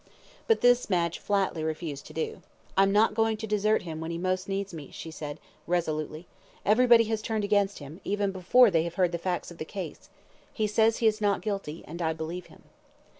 But this Madge flatly refused to do. "I'm not going to desert him when he most needs me," she said, resolutely; "everybody has turned against him, even before they have heard the facts of the case. He says he is not guilty, and I believe him."